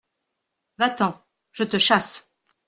Va-t’en ! je te chasse.